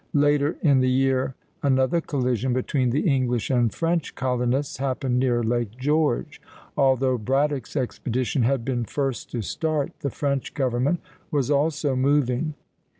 Later in the year another collision between the English and French colonists happened near Lake George. Although Braddock's expedition had been first to start, the French government was also moving.